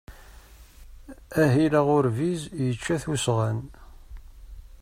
Ahil aɣurbiz yečča-t usɣan.